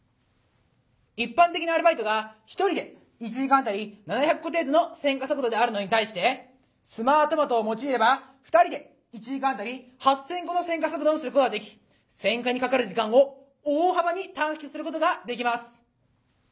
一般的なアルバイトが１人で１時間当たり７００個程度の選果速度であるのに対して「スマートマト」を用いれば２人で１時間当たり８，０００個の選果速度にすることができ選果にかかる時間を大幅に短縮することができます。